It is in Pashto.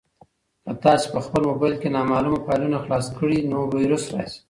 که تاسي په خپل موبایل کې نامعلومه فایلونه خلاص کړئ نو ویروس راځي.